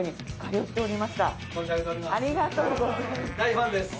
ありがとうございます。